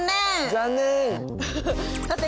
残念！